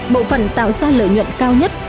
bộ phận tạo ra lợi nhuận cao nhất